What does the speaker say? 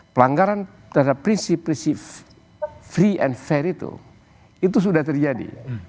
pelanggaran terhadap prinsip prinsip free and fair itu itu sudah terjadi